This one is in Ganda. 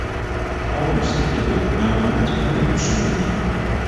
Ko omusajja kwe kugamba nti, "kale nkusonyiye."